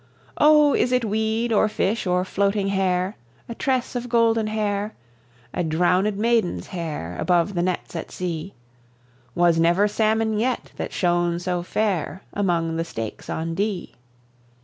Oh! is it weed, or fish, or floating hair, A tress of golden hair, A drownèd maiden's hair, Above the nets at sea? Was never salmon yet that shone so fair Among the stakes on Dee.